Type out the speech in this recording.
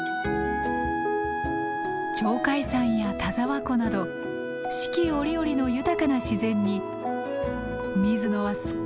鳥海山や田沢湖など四季折々の豊かな自然に水野はすっかり引き付けられていった。